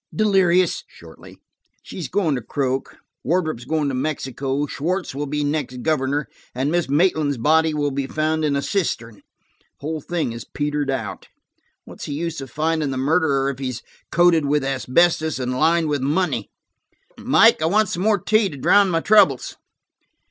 "Delirious"–shortly. "She's going to croak, Wardrop's going to Mexico, Schwartz will be next governor, and Miss Maitland's body will be found in a cistern. The whole thing has petered out. What's the use of finding the murderer if he's coated with asbestos and lined with money? Mike, I want some more tea to drown my troubles."